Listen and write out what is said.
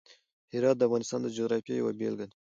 هرات د افغانستان د جغرافیې یوه بېلګه ده.